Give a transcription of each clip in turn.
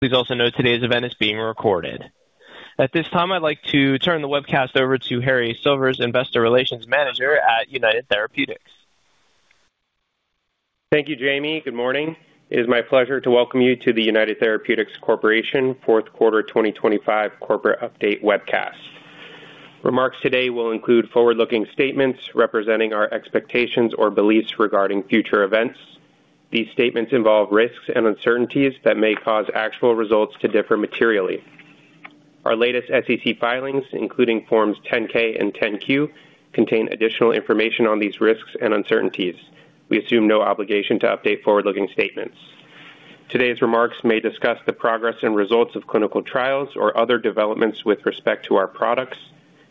Please also know today's event is being recorded. At this time, I'd like to turn the webcast over to Dewey Steadman, Investor Relations Manager at United Therapeutics. Thank you, Jamie. Good morning. It is my pleasure to welcome you to the United Therapeutics Corporation 4th quarter 2025 corporate update webcast. Remarks today will include forward-looking statements representing our expectations or beliefs regarding future events. These statements involve risks and uncertainties that may cause actual results to differ materially. Our latest SEC filings, including Forms 10-K and 10-Q, contain additional information on these risks and uncertainties. We assume no obligation to update forward-looking statements. Today's remarks may discuss the progress and results of clinical trials or other developments with respect to our products.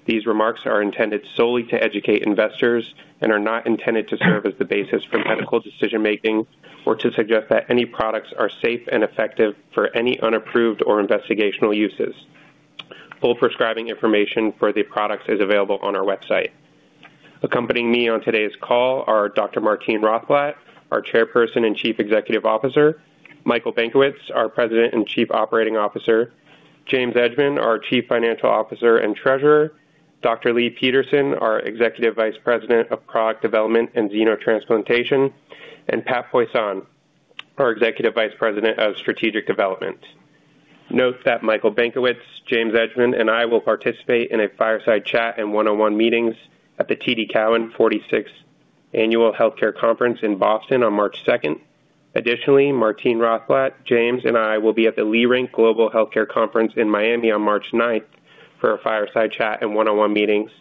These remarks are intended solely to educate investors and are not intended to serve as the basis for medical decision-making or to suggest that any products are safe and effective for any unapproved or investigational uses. Full prescribing information for the products is available on our website. Accompanying me on today's call are Dr. Martine Rothblatt, our Chairperson and Chief Executive Officer, Michael Benkowitz, our President and Chief Operating Officer, James Edgemond, our Chief Financial Officer and Treasurer, Dr. Leigh Peterson, our Executive Vice President of Product Development and Xenotransplantation, and Patrick Poisson, our Executive Vice President of Strategic Development. Note that Michael Benkowitz, James Edgemond, and I will participate in a fireside chat and one-on-one meetings at the TD Cowen 46th Annual Health Care Conference in Boston on March 2nd. Additionally, Martine Rothblatt, James, and I will be at the Leerink Partners Global Biopharma Conference in Miami on March 9th for a fireside chat and one-on-one meetings.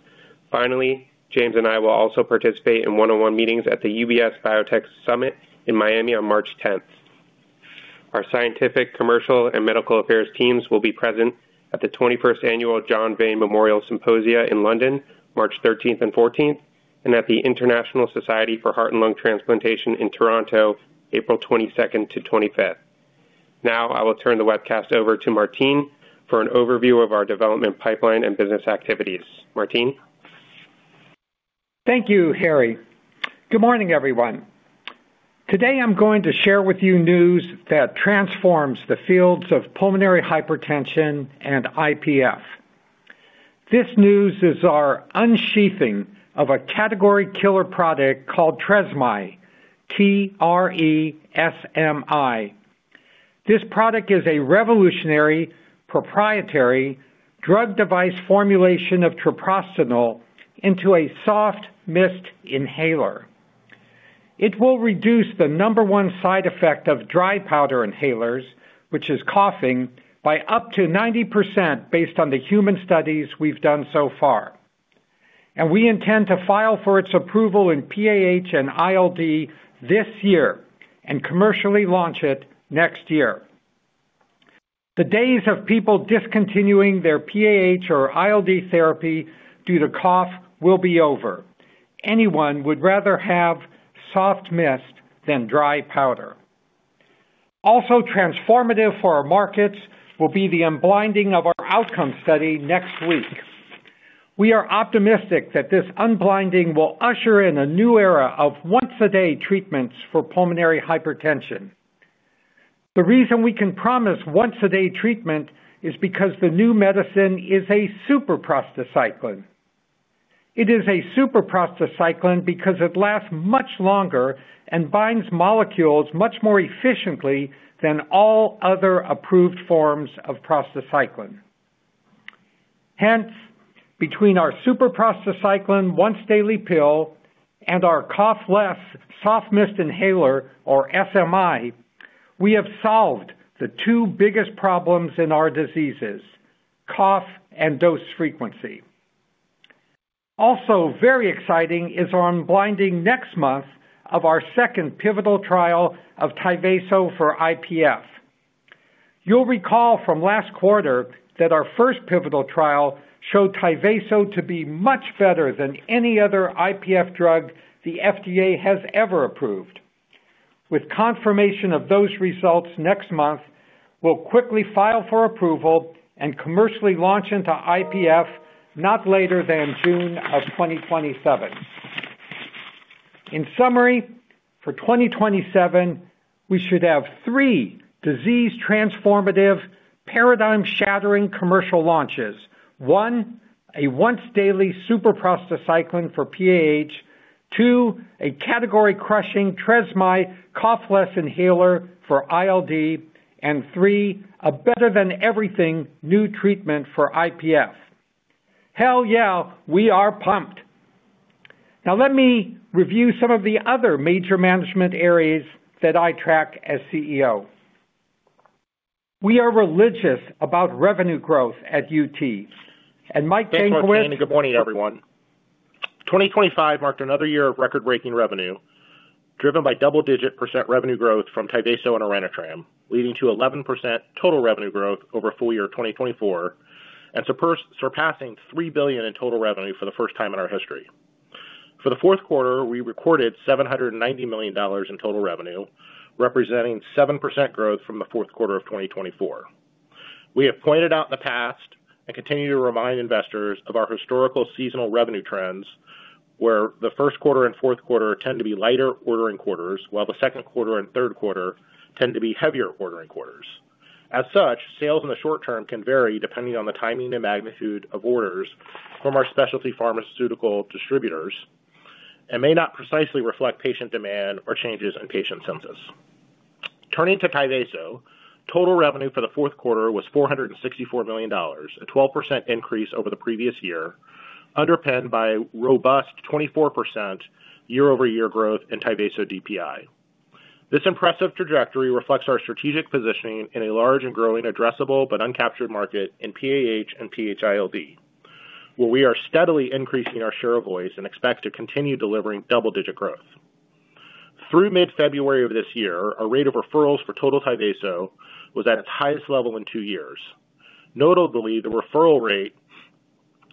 Finally, James and I will also participate in one-on-one meetings at the UBS Biotech Summit in Miami on March 10th. Our scientific, commercial, and medical affairs teams will be present at the 21st Annual John Vane Memorial Symposia in London, March 13th and 14th, and at the International Society for Heart and Lung Transplantation in Toronto, April 22nd to 25th. Now, I will turn the webcast over to Martine for an overview of our development pipeline and business activities. Martine? Thank you, Harry. Good morning, everyone. Today, I'm going to share with you news that transforms the fields of pulmonary hypertension and IPF. This news is our unsheathing of a category killer product called Tresmi, T-R-E-S-M-I. This product is a revolutionary proprietary drug device formulation of treprostinil into a soft mist inhaler. It will reduce the number one side effect of dry powder inhalers, which is coughing, by up to 90%, based on the human studies we've done so far. We intend to file for its approval in PAH and ILD this year and commercially launch it next year. The days of people discontinuing their PAH or ILD therapy due to cough will be over. Anyone would rather have soft mist than dry powder. Also transformative for our markets will be the unblinding of our outcome study next week. We are optimistic that this unblinding will usher in a new era of once-a-day treatments for pulmonary hypertension. The reason we can promise once-a-day treatment is because the new medicine is a super prostacyclin. It is a super prostacyclin because it lasts much longer and binds molecules much more efficiently than all other approved forms of prostacyclin. Hence, between our super prostacyclin once-daily pill and our cough-less soft mist inhaler, or SMI, we have solved the two biggest problems in our diseases: cough and dose frequency. Very exciting is our unblinding next month of our second pivotal trial of Tyvaso for IPF. You'll recall from last quarter that our first pivotal trial showed Tyvaso to be much better than any other IPF drug the FDA has ever approved. With confirmation of those results next month, we'll quickly file for approval and commercially launch into IPF not later than June 2027. In summary, for 2027, we should have three disease transformative, paradigm-shattering commercial launches. One, a once-daily super prostacyclin for PAH, two, a category-crushing Tresmi cough-less inhaler for ILD, and three, a better-than-everything new treatment for IPF. Hell, yeah, we are pumped! Let me review some of the other major management areas that I track as CEO. We are religious about revenue growth at UT, and Michael Benkowitz- Thanks, Martine, and good morning, everyone. 2025 marked another year of record-breaking revenue, driven by double-digit percent revenue growth from Tyvaso and Orenitram, leading to 11% total revenue growth over full year 2024, and surpassing $3 billion in total revenue for the first time in our history. For the fourth quarter, we recorded $790 million in total revenue, representing 7% growth from the fourth quarter of 2024. We have pointed out in the past and continue to remind investors of our historical seasonal revenue trends, where the first quarter and fourth quarter tend to be lighter ordering quarters, while the second quarter and third quarter tend to be heavier ordering quarters. As such, sales in the short term can vary depending on the timing and magnitude of orders from our specialty pharmaceutical distributors and may not precisely reflect patient demand or changes in patient census. Turning to Tyvaso, total revenue for the fourth quarter was $464 million, a 12% increase over the previous year, underpinned by robust 24% year-over-year growth in Tyvaso DPI. This impressive trajectory reflects our strategic positioning in a large and growing addressable but uncaptured market in PAH and PH-ILD, where we are steadily increasing our share voice and expect to continue delivering double-digit growth. Through mid-February of this year, our rate of referrals for total Tyvaso was at its highest level in two years. Notably, the referral rate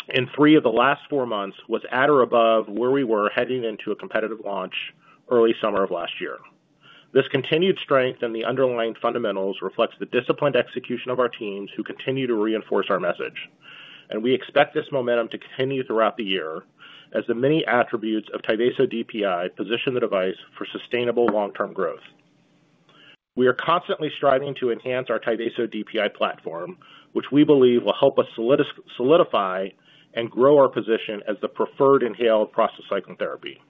in three of the last four months was at or above where we were heading into a competitive launch early summer of last year. This continued strength in the underlying fundamentals reflects the disciplined execution of our teams, who continue to reinforce our message. We expect this momentum to continue throughout the year as the many attributes of Tyvaso DPI position the device for sustainable long-term growth. We are constantly striving to enhance our Tyvaso DPI platform, which we believe will help us solidify and grow our position as the preferred inhaled prostacyclin therapy.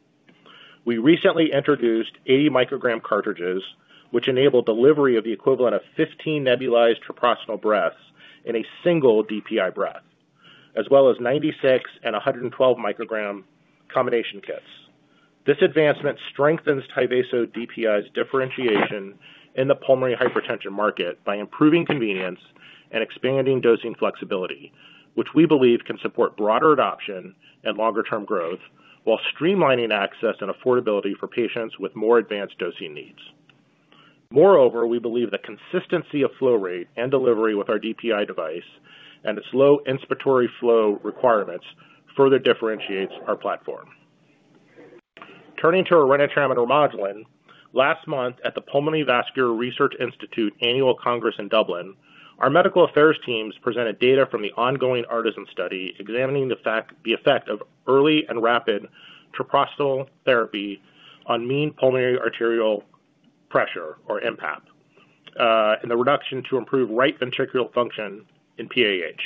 We recently introduced 80 microgram cartridges, which enable delivery of the equivalent of 15 nebulized treprostinil breaths in a single DPI breath, as well as 96 and 112 microgram combination kits. This advancement strengthens Tyvaso DPI's differentiation in the pulmonary hypertension market by improving convenience and expanding dosing flexibility, which we believe can support broader adoption and longer-term growth, while streamlining access and affordability for patients with more advanced dosing needs. Moreover, we believe the consistency of flow rate and delivery with our DPI device and its low inspiratory flow requirements further differentiates our platform. Turning to Orenitram and Remodulin, last month at the Pulmonary Vascular Research Institute Annual Congress in Dublin, our medical affairs teams presented data from the ongoing ARTS study examining the effect of early and rapid treprostinil therapy on mean pulmonary arterial pressure, or mPAP, and the reduction to improve right ventricular function in PAH.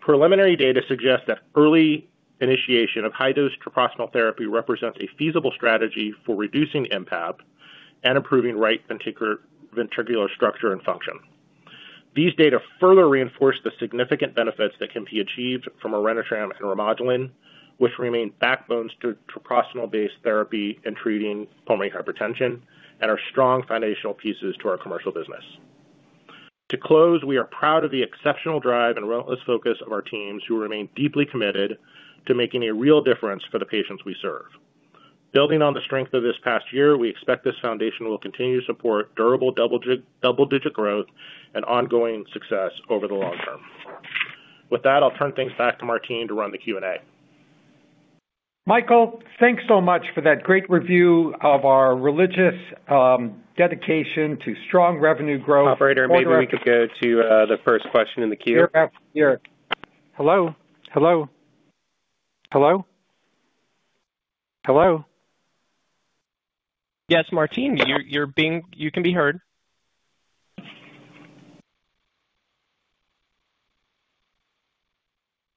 Preliminary data suggests that early initiation of high-dose treprostinil therapy represents a feasible strategy for reducing mPAP and improving right ventricular structure and function. These data further reinforce the significant benefits that can be achieved from Orenitram and Remodulin, which remain backbones to treprostinil-based therapy in treating pulmonary hypertension and are strong foundational pieces to our commercial business. To close, we are proud of the exceptional drive and relentless focus of our teams, who remain deeply committed to making a real difference for the patients we serve. Building on the strength of this past year, we expect this foundation will continue to support durable double-digit growth and ongoing success over the long term. With that, I'll turn things back to Martine to run the Q&A. Michael, thanks so much for that great review of our religious, dedication to strong revenue growth. Operator, maybe we could go to the first question in the queue. You're up. Hello? Yes, Martine, you can be heard.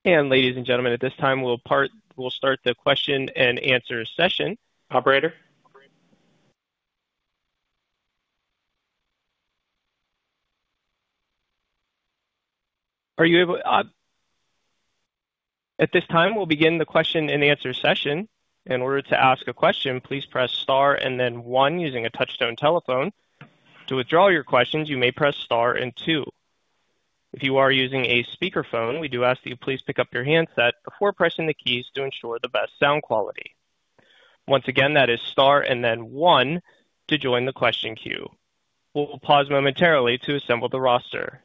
Ladies and gentlemen, at this time we'll start the question and answer session. Operator? Are you able. At this time, we'll begin the question and answer session. In order to ask a question, please press star and then one using a touchtone telephone. To withdraw your questions, you may press star and two. If you are using a speakerphone, we do ask that you please pick up your handset before pressing the keys to ensure the best sound quality. Once again, that is star and then one to join the question queue. We'll pause momentarily to assemble the roster.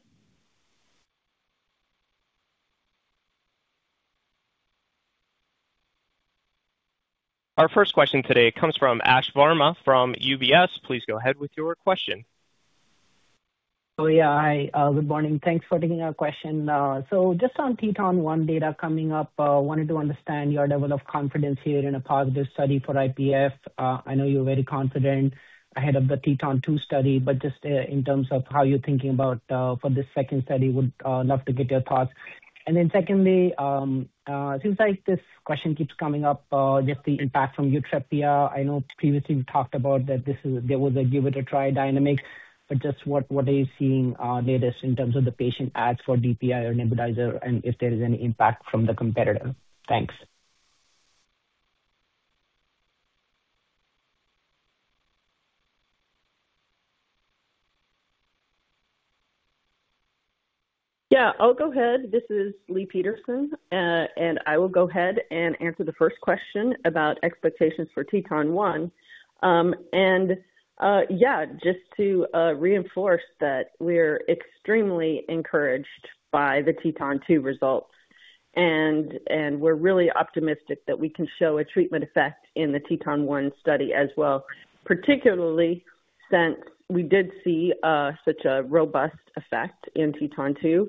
Our first question today comes from Ashish Varma from UBS. Please go ahead with your question. Oh, yeah. Hi, good morning. Thanks for taking our question. Just on TETON-1 data coming up, wanted to understand your level of confidence here in a positive study for IPF. I know you're very confident ahead of the TETON-2 study, just in terms of how you're thinking about for this second study, would love to get your thoughts. Secondly, seems like this question keeps coming up, just the impact from Yutrepia. I know previously you talked about that there was a give it a try dynamic, just what are you seeing latest in terms of the patient ads for DPI or nebulizer and if there is any impact from the competitor? Thanks. Yeah, I'll go ahead. This is Leigh Peterson, and I will go ahead and answer the first question about expectations for TETON-1. Yeah, just to reinforce that we're extremely encouraged by the TETON-2 results.... we're really optimistic that we can show a treatment effect in the TETON-1 study as well, particularly since we did see such a robust effect in TETON-2,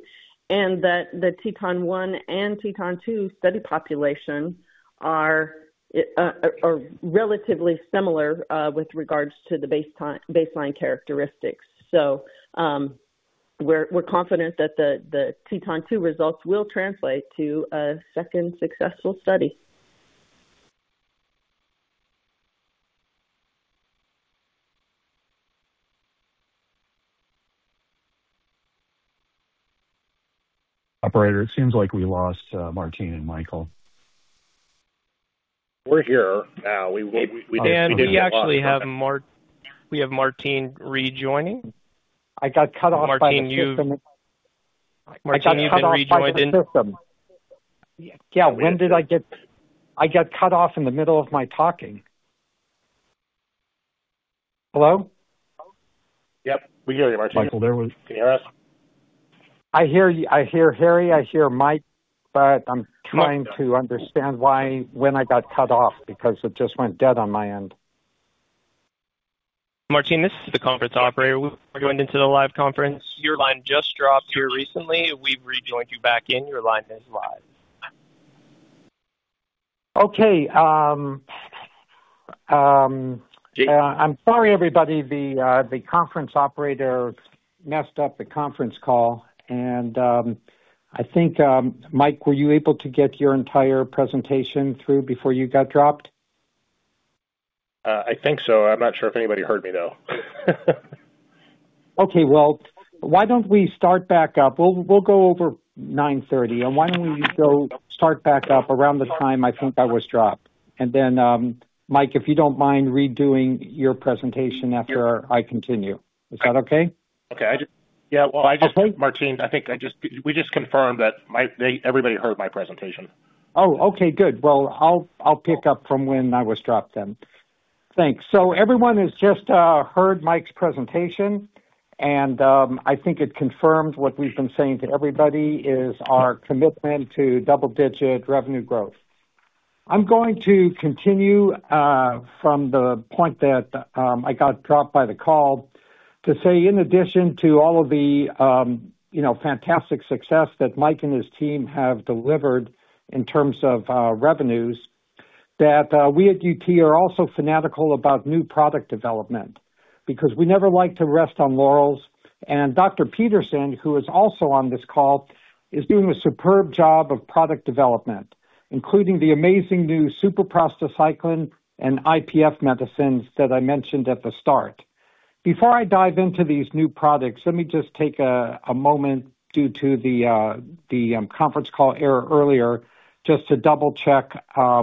and that the TETON-1 and TETON-2 study population are relatively similar with regards to the baseline characteristics. We're confident that the TETON-2 results will translate to a second successful study. Operator, it seems like we lost, Martine and Michael. We're here. We We actually have Martine rejoining. I got cut off by the system. Martine, you've been rejoined in. I got cut off by the system. Yeah, when did I got cut off in the middle of my talking? Hello? Yep, we hear you, Martine. Michael, can you hear us? I hear you. I hear Harry, I hear Mike, but I'm trying to understand why, when I got cut off because it just went dead on my end. Martine, this is the conference operator. We're going into the live conference. Your line just dropped here recently. We've rejoined you back in. Your line is live. Okay, I'm sorry, everybody, the conference operator messed up the conference call, and I think Mike, were you able to get your entire presentation through before you got dropped? I think so. I'm not sure if anybody heard me, though. Okay, well, why don't we start back up? We'll go over 9:30, and why don't we go start back up around the time I think I was dropped. Mike, if you don't mind redoing your presentation after I continue. Is that okay? Okay. I just... Yeah, well, I just- Okay. Martine, I think we just confirmed that everybody heard my presentation. Okay, good. I'll pick up from when I was dropped then. Thanks. Everyone has just heard Mike's presentation. I think it confirms what we've been saying to everybody, is our commitment to double-digit revenue growth. I'm going to continue from the point that I got dropped by the call to say, in addition to all of the, you know, fantastic success that Mike and his team have delivered in terms of revenues, that we at UT are also fanatical about new product development because we never like to rest on laurels. Dr. Peterson, who is also on this call, is doing a superb job of product development, including the amazing new super prostacyclin and IPF medicines that I mentioned at the start. Before I dive into these new products, let me just take a moment due to the conference call error earlier, just to double-check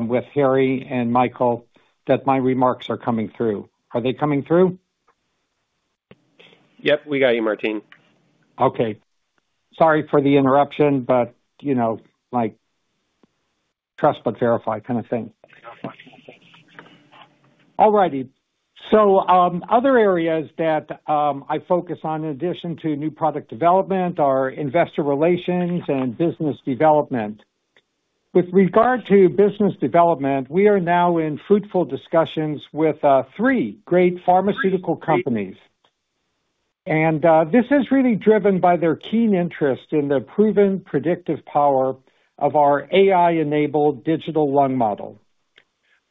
with Harry and Michael that my remarks are coming through. Are they coming through? Yep, we got you, Martine. Okay. Sorry for the interruption, but, you know, like, trust but verify kind of thing. All righty. Other areas that I focus on in addition to new product development are investor relations and business development. With regard to business development, we are now in fruitful discussions with three great pharmaceutical companies, this is really driven by their keen interest in the proven predictive power of our AI-enabled digital lung model.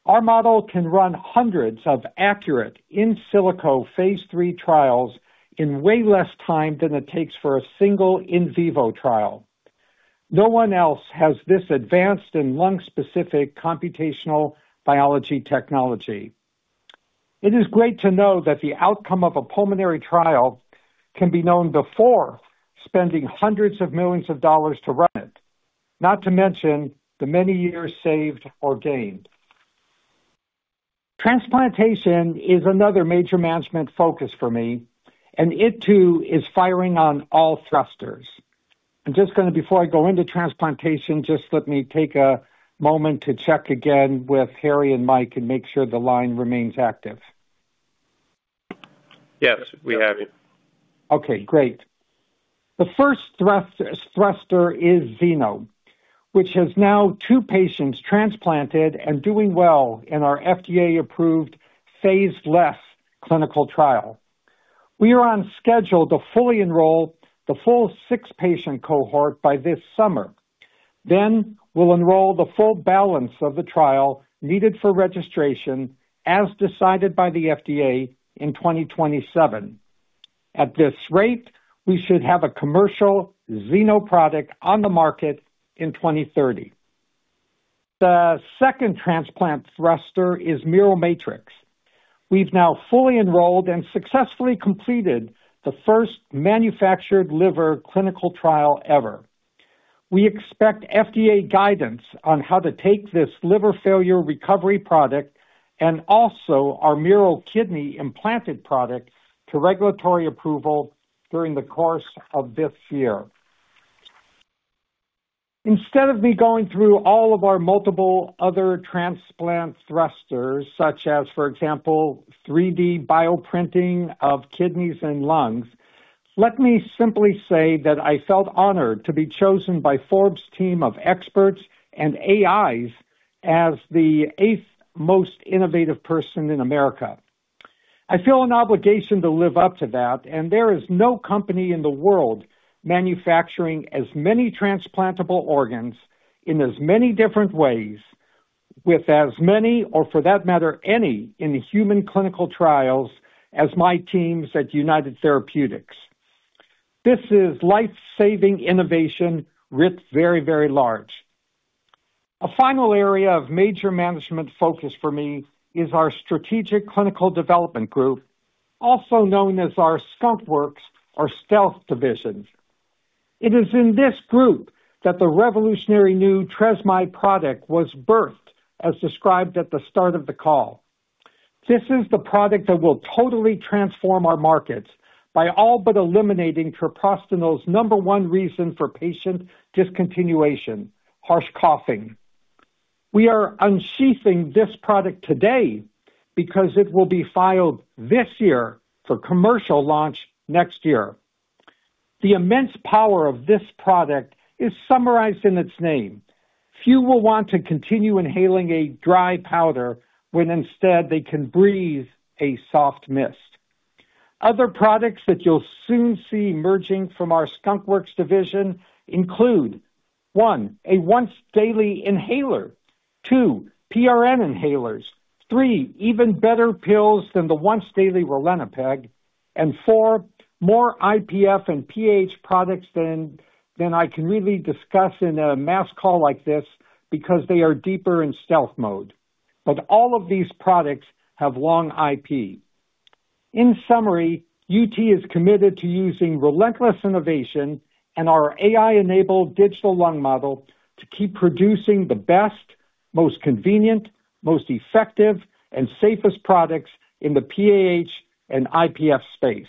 Our model can run hundreds of accurate in silico phase III trials in way less time than it takes for a single in vivo trial. No one else has this advanced and lung-specific computational biology technology. It is great to know that the outcome of a pulmonary trial can be known before spending hundreds of millions of dollars to run it, not to mention the many years saved or gained. Transplantation is another major management focus for me, and it, too, is firing on all thrusters. Before I go into transplantation, just let me take a moment to check again with Harry and Mike and make sure the line remains active. Yes, we have you. Okay, great. The first thruster is Zeno, which has now two patients transplanted and doing well in our FDA-approved phase Less clinical trial. We are on schedule to fully enroll the full six-patient cohort by this summer. We'll enroll the full balance of the trial needed for registration, as decided by the FDA in 2027. At this rate, we should have a commercial Zeno product on the market in 2030. The second transplant thruster is Miromatrix. We've now fully enrolled and successfully completed the first manufactured liver clinical trial ever. We expect FDA guidance on how to take this liver failure recovery product and also our mirokidney implanted product to regulatory approval during the course of this year. Instead of me going through all of our multiple other transplant thrusters, such as, for example, 3D bioprinting of kidneys and lungs. Let me simply say that I felt honored to be chosen by Forbes team of experts and AIs as the eighth most innovative person in America. I feel an obligation to live up to that. There is no company in the world manufacturing as many transplantable organs in as many different ways, with as many, or for that matter, any in human clinical trials as my teams at United Therapeutics. This is life-saving innovation writ very, very large. A final area of major management focus for me is our strategic clinical development group, also known as our Skunk Works or Stealth Division. It is in this group that the revolutionary new Tresmi product was birthed, as described at the start of the call. This is the product that will totally transform our markets by all but eliminating treprostinil's number one reason for patient discontinuation, harsh coughing. We are unsheathing this product today because it will be filed this year for commercial launch next year. The immense power of this product is summarized in its name. Few will want to continue inhaling a dry powder when instead they can breathe a soft mist. Other products that you'll soon see emerging from our Skunk Works division include: one, a once daily inhaler. two, PRN inhalers. three, even better pills than the once daily Ralinepag. Four, more IPF and PH products than I can really discuss in a mass call like this because they are deeper in stealth mode. All of these products have long IP. In summary, UT is committed to using relentless innovation and our AI-enabled digital lung model to keep producing the best, most convenient, most effective, and safest products in the PAH and IPF space.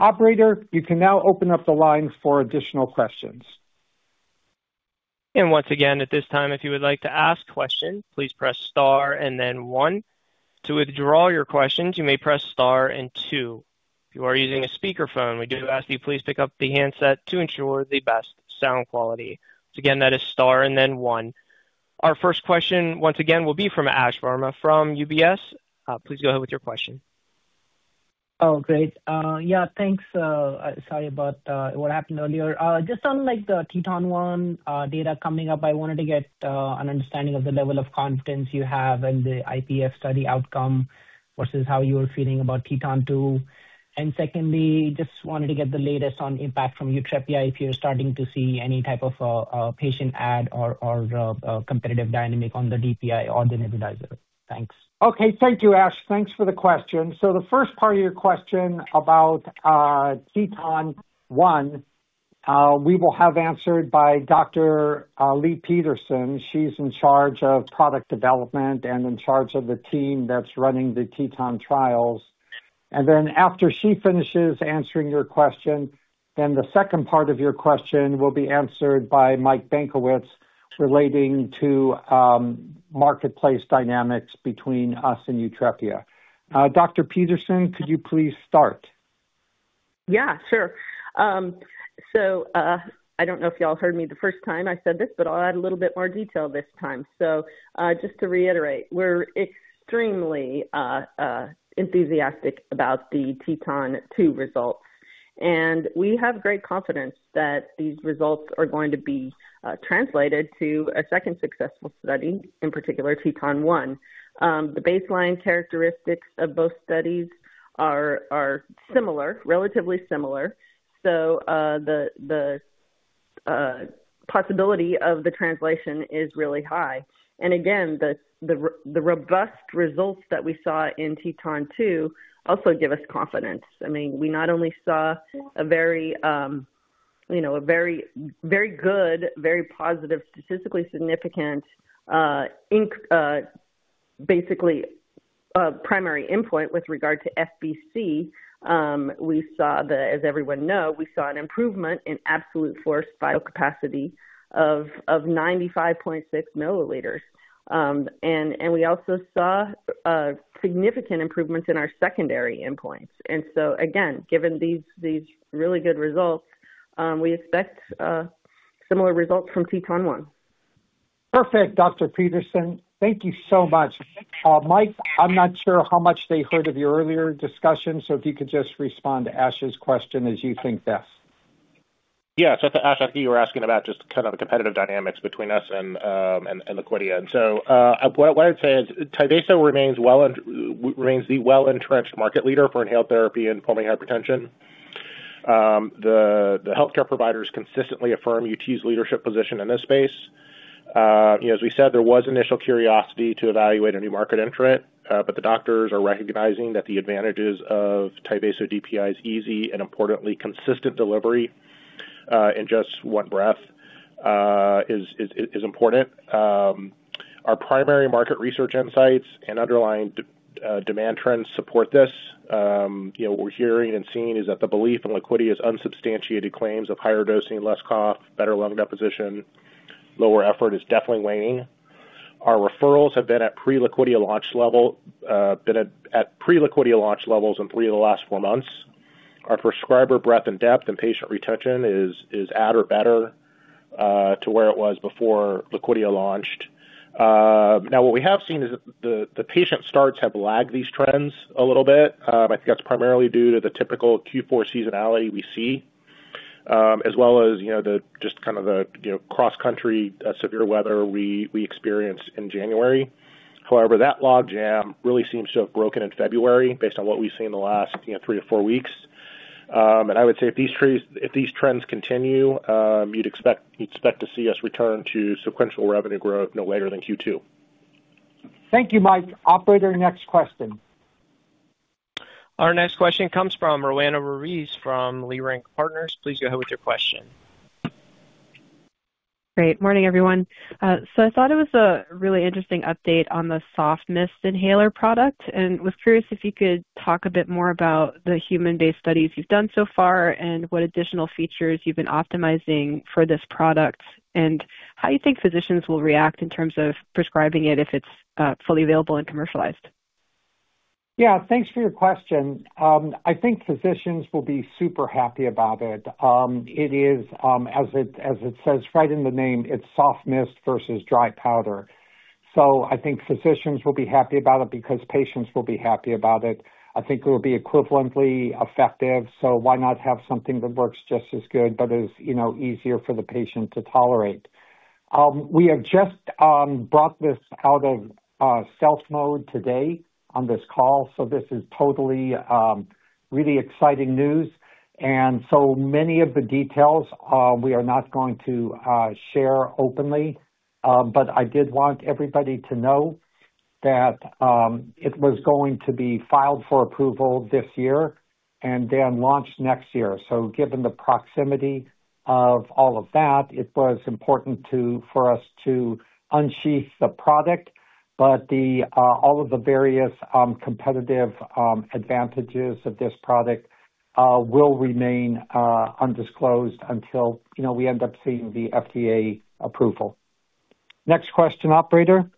Operator, you can now open up the line for additional questions. Once again, at this time, if you would like to ask questions, please press star and then one. To withdraw your questions, you may press star and two. If you are using a speakerphone, we do ask you please pick up the handset to ensure the best sound quality. Again, that is star and then one. Our first question, once again, will be from Ashish Varma from UBS. Please go ahead with your question. Oh, great. Yeah, thanks. Sorry about what happened earlier. Just on, like, the TETON-1 data coming up, I wanted to get an understanding of the level of confidence you have in the IPF study outcome versus how you were feeling about TETON-2. Secondly, just wanted to get the latest on impact from Uptravi, if you're starting to see any type of patient ad or competitive dynamic on the DPI or the nebulizer. Thanks. Okay, thank you, Ash. Thanks for the question. The first part of your question about TETON-1, we will have answered by Dr. Leigh Peterson. She's in charge of product development and in charge of the team that's running the TETON trials. After she finishes answering your question, then the second part of your question will be answered by Michael Benkowitz, relating to marketplace dynamics between us and Uptravi. Dr. Leigh Peterson, could you please start? Yeah, sure. I don't know if y'all heard me the first time I said this, but I'll add a little bit more detail this time. Just to reiterate, we're extremely enthusiastic about the TETON-2 results, and we have great confidence that these results are going to be translated to a second successful study, in particular, TETON-1. The baseline characteristics of both studies are similar, relatively similar. The possibility of the translation is really high. Again, the robust results that we saw in TETON-2 also give us confidence. I mean, we not only saw a very, you know, a very good, very positive, statistically significant, basically, primary endpoint with regard to FVC. We saw the, as everyone know, we saw an improvement in absolute forced vital capacity of 95.6 milliliters. And we also saw significant improvements in our secondary endpoints. Again, given these really good results, we expect similar results from TETON-1. Perfect, Dr. Peterson, thank you so much. Mike, I'm not sure how much they heard of your earlier discussion, so if you could just respond to Ash's question as you think best. Yeah. Ash, I think you were asking about just kind of the competitive dynamics between us and Liquidia. What I'd say is Tyvaso remains the well-entrenched market leader for inhaled therapy and pulmonary hypertension. The healthcare providers consistently affirm UT's leadership position in this space. As we said, there was initial curiosity to evaluate a new market entrant, but the doctors are recognizing that the advantages of Tyvaso DPI's easy and importantly, consistent delivery, in just one breath, is important. Our primary market research insights and underlying demand trends support this. You know, what we're hearing and seeing is that the belief in Liquidia's unsubstantiated claims of higher dosing, less cough, better lung deposition, lower effort is definitely waning. Our referrals have been at pre-Liquidia launch level, been at pre-Liquidia launch levels in three of the last four months. Our prescriber breadth and depth and patient retention is at or better to where it was before Liquidia launched. Now, what we have seen is that the patient starts have lagged these trends a little bit. I think that's primarily due to the typical Q4 seasonality we see, as well as, you know, the just kind of the, you know, cross-country severe weather we experienced in January. However, that logjam really seems to have broken in February based on what we've seen in the last, you know, three to four weeks. I would say if these trends continue, you'd expect to see us return to sequential revenue growth no later than Q2. Thank you, Mike. Operator, next question. Our next question comes from Roanna Ruiz from Leerink Partners. Please go ahead with your question. Great. Morning, everyone. I thought it was a really interesting update on the soft mist inhaler product, and was curious if you could talk a bit more about the human-based studies you've done so far, and what additional features you've been optimizing for this product, and how you think physicians will react in terms of prescribing it if it's fully available and commercialized? Yeah, thanks for your question. I think physicians will be super happy about it. It is, as it says right in the name, it's soft mist versus dry powder. I think physicians will be happy about it because patients will be happy about it. I think it will be equivalently effective, so why not have something that works just as good but is, you know, easier for the patient to tolerate? We have just brought this out of stealth mode today on this call, so this is totally really exciting news. Many of the details we are not going to share openly, but I did want everybody to know that it was going to be filed for approval this year and then launched next year. Given the proximity of all of that, it was important for us to unsheathe the product. But the all of the various competitive advantages of this product will remain undisclosed until, you know, we end up seeing the FDA approval. Next question, operator.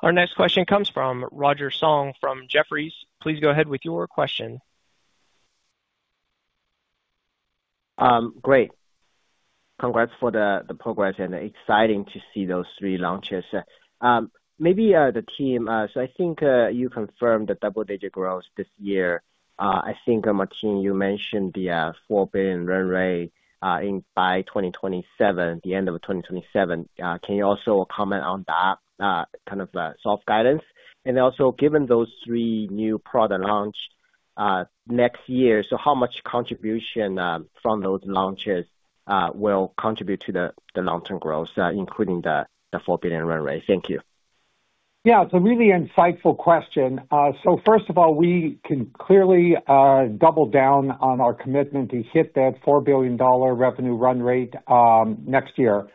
Our next question comes from Roger Song from Jefferies. Please go ahead with your question. Great. Congrats for the progress, and exciting to see those three launches. Maybe the team, I think you confirmed the double-digit growth this year. I think, Martine, you mentioned the $4 billion run rate in by 2027, the end of 2027. Can you also comment on that kind of soft guidance? Given those three new product launch next year, so how much contribution from those launches will contribute to the long-term growth, including the $4 billion run rate? Thank you. Yeah, it's a really insightful question. First of all, we can clearly double down on our commitment to hit that $4 billion revenue run rate next year.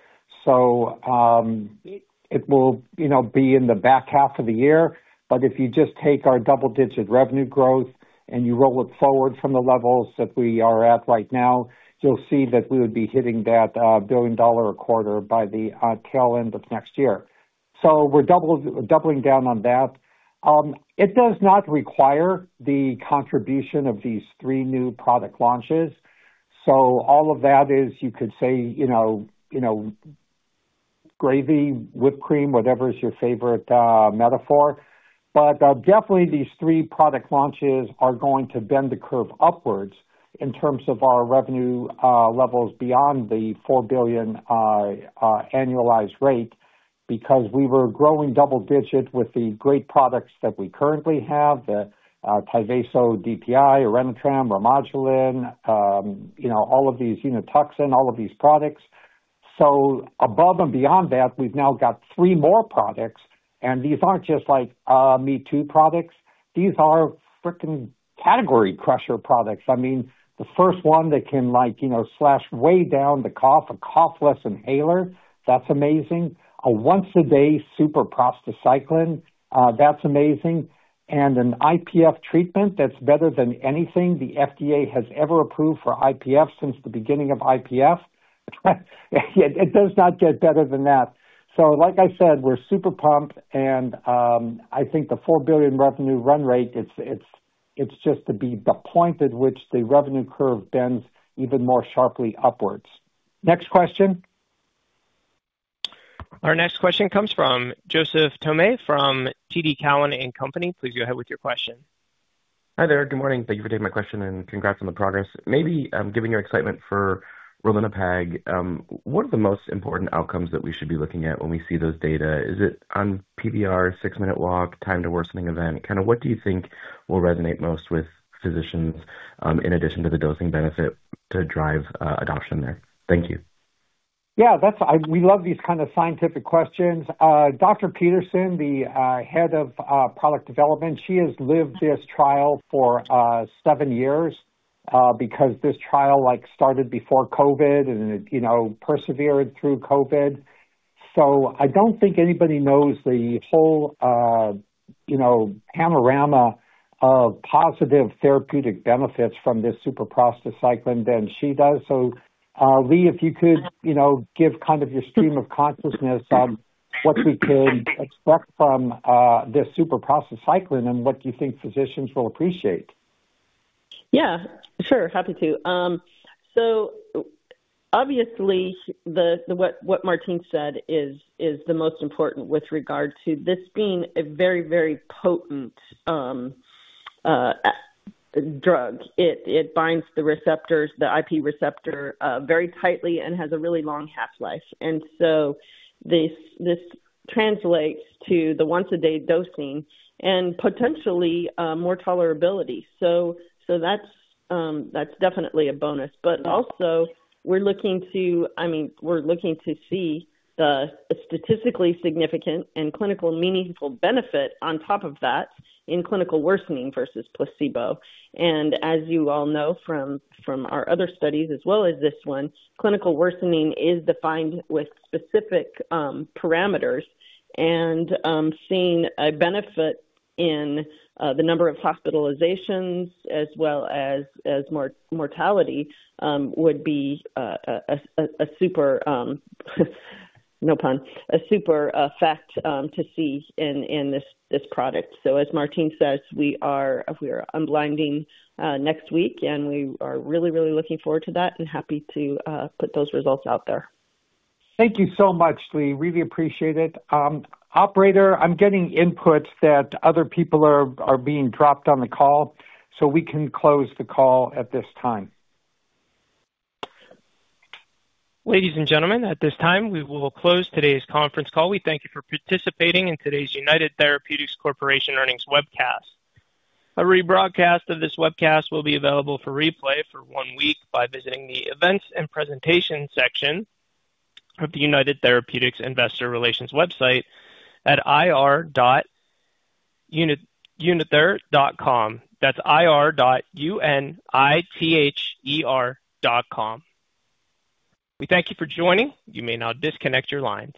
It will, you know, be in the back half of the year, but if you just take our double-digit revenue growth and you roll it forward from the levels that we are at right now, you'll see that we would be hitting that $1 billion a quarter by the tail end of next year. We're doubling down on that. It does not require the contribution of these three new product launches. All of that is, you could say, you know, you know, gravy, whipped cream, whatever is your favorite metaphor. Definitely these three product launches are going to bend the curve upwards in terms of our revenue levels beyond the $4 billion annualized rate, because we were growing double-digit with the great products that we currently have, the Tyvaso DPI, Orenitram, Remodulin, you know, all of these, you know, Unituxin, all of these products. Above and beyond that, we've now got three more products, and these aren't just like me-too products. These are freaking category crusher products. I mean, the first one that can, like, you know, slash way down the cough, a cough-less inhaler. That's amazing. A once-a-day super prostacyclin, that's amazing. An IPF treatment that's better than anything the FDA has ever approved for IPF since the beginning of IPF. It does not get better than that. Like I said, we're super pumped and, I think the $4 billion revenue run rate, it's just to be the point at which the revenue curve bends even more sharply upwards. Next question. Our next question comes from Joseph Thome from TD Cowen & Company. Please go ahead with your question. Hi there. Good morning. Thank you for taking my question. Congrats on the progress. Maybe, given your excitement for Ralinepag, what are the most important outcomes that we should be looking at when we see those data? Is it on PVR, six-minute walk, time to worsening event? Kind of, what do you think will resonate most with physicians, in addition to the dosing benefit to drive adoption there? Thank you. We love these kind of scientific questions. Dr. Peterson, the head of product development, she has lived this trial for seven years, because this trial, like, started before COVID and, you know, persevered through COVID. I don't think anybody knows the whole, you know, panorama of positive therapeutic benefits from this super prostacyclin than she does. Leigh, if you could, you know, give kind of your stream of consciousness on what we could expect from this super prostacyclin and what you think physicians will appreciate. Yeah, sure. Happy to. Obviously the what Martine said is the most important with regard to this being a very potent drug. It binds the receptors, the IP receptor, very tightly and has a really long half-life. This translates to the once-a-day dosing and potentially more tolerability. That's definitely a bonus. Also we're looking to, I mean, we're looking to see the statistically significant and clinical meaningful benefit on top of that in clinical worsening versus placebo. As you all know from our other studies as well as this one, clinical worsening is defined with specific parameters. Seeing a benefit in the number of hospitalizations as well as mortality, would be a super, no pun, a super fact to see in this product. As Martine says, we are unblinding next week, and we are really looking forward to that and happy to put those results out there. Thank you so much, Leigh. Really appreciate it. Operator, I'm getting inputs that other people are being dropped on the call. We can close the call at this time. Ladies and gentlemen, at this time, we will close today's conference call. We thank you for participating in today's United Therapeutics Corporation earnings webcast. A rebroadcast of this webcast will be available for replay for one week by visiting the Events and Presentation section of the United Therapeutics Investor Relations website at ir.unither.com. That's ir.unither.com. We thank you for joining. You may now disconnect your line.